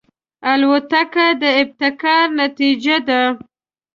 الوتکه د ابتکار نتیجه ده.